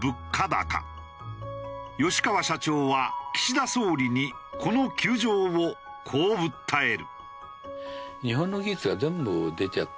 吉川社長は岸田総理にこの窮状をこう訴える。